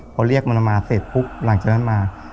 พอเรียกมันมาเสร็จปุ๊บหลังจากนั้นมา